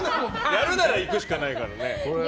やるなら行くしかないからね。